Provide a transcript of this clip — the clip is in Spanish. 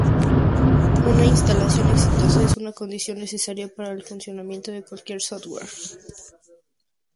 Una instalación exitosa es una condición necesaria para el funcionamiento de cualquier software.